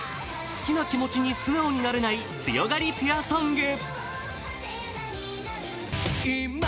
好きな気持ちに素直になれない強がりピュアソング。